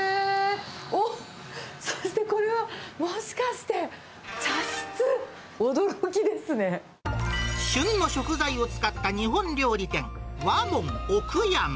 おっ、そしてこれは、旬の食材を使った日本料理店、和門おく山。